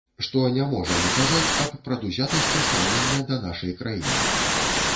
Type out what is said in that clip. Што не можа не казаць аб прадузятасці стаўлення да нашай краіны.